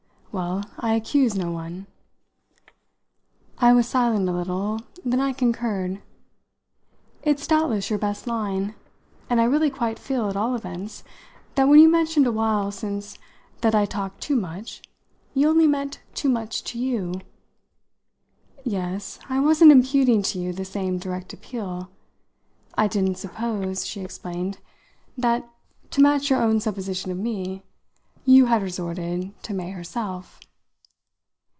"Well, I accuse no one." I was silent a little; then I concurred. "It's doubtless your best line; and I really quite feel, at all events, that when you mentioned a while since that I talk too much you only meant too much to you." "Yes I wasn't imputing to you the same direct appeal. I didn't suppose," she explained, "that to match your own supposition of me you had resorted to May herself."